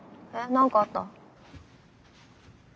何かあった？